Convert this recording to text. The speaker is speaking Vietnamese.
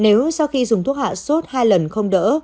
nếu sau khi dùng thuốc hạ sốt hai lần không đỡ